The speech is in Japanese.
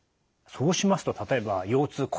そうしますと例えば腰痛腰以外。